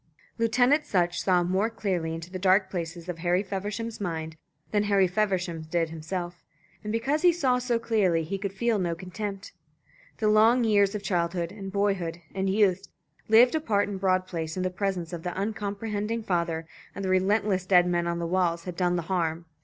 Lieutenant Sutch saw more clearly into the dark places of Harry Feversham's mind than Harry Feversham did himself; and because he saw so clearly, he could feel no contempt. The long years of childhood, and boyhood, and youth, lived apart in Broad Place in the presence of the uncomprehending father and the relentless dead men on the walls, had done the harm.